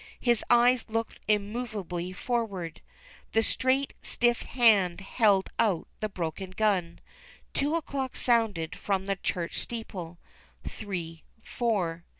His eyes looked immovably forward. The straight, stiff hand held out the broken gun. Two o'clock sounded from the church steeple, three, four.